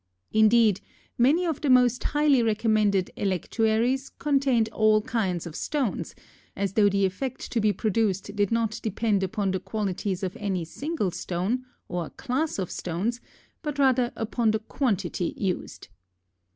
Indeed, many of the most highly recommended electuaries contained all kinds of stones, as though the effect to be produced did not depend upon the qualities of any single stone, or class of stones, but rather upon the quantity used.